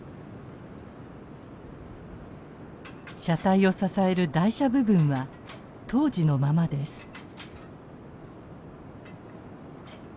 車体を支える台車部分は当時のままです。